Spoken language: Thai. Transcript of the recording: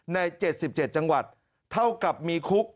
ใน๗๗จังหวัดเท่ากับมีคุก